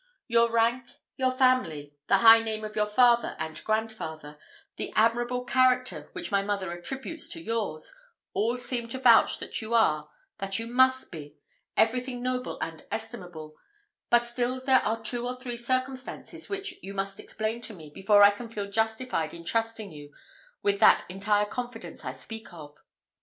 Your rank, your family, the high name of your father and grandfather, the admirable character which my mother attributes to yours, all seem to vouch that you are that you must be everything noble and estimable; but still there are two or three circumstances which you must explain to me, before I can feel justified in trusting you with that entire confidence I speak of.